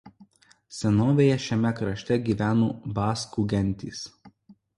Senovėje šiame krašte gyveno baskų gentys.